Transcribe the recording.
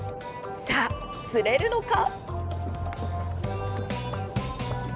さあ、釣れるのか？